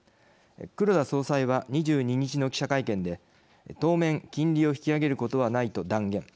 黒田総裁は、２２日の記者会見で「当面、金利を引き上げることはない」と断言。